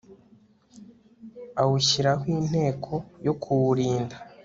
awushyiraho inteko yo kuwurinda